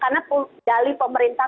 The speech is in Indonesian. karena dali pemerintah